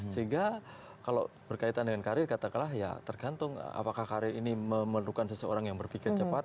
sehingga kalau berkaitan dengan karir katakanlah ya tergantung apakah karir ini memerlukan seseorang yang berpikir cepat